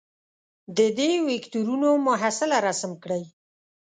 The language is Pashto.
د دې وکتورونو محصله رسم کړئ.